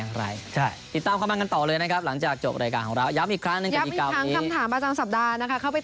นี่ก็คือทั้งหมดของรายการในวันนี้